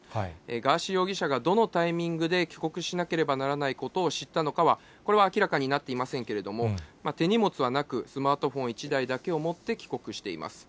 ガーシー容疑者がどのタイミングで帰国しなければならないことを知ったのかは、これは明らかになっていませんけれども、手荷物はなく、スマートフォン１台だけを持って帰国しています。